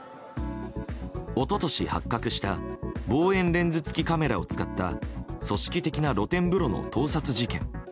一昨年、発覚した望遠レンズ付きカメラを使った組織的な露天風呂の盗撮事件。